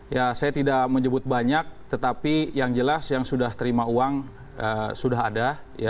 ya saya tidak menyebut banyak tetapi yang jelas yang sudah terima uang sudah ada